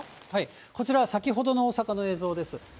こちらは先ほどの大阪の映像です。